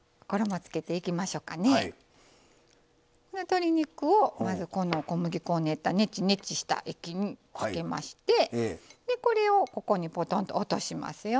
鶏肉をまずこの小麦粉を練ったねちねちした液につけましてでこれをここにポトンと落としますよ。